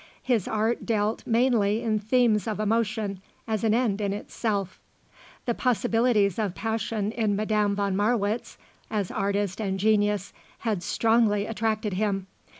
His art dealt mainly in themes of emotion as an end in itself. The possibilities of passion in Madame von Marwitz, as artist and genius, had strongly attracted him.